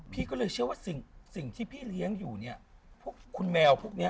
พี่ก็เลยเชื่อว่าสิ่งที่พี่เลี้ยงอยู่เนี่ยพวกคุณแมวพวกนี้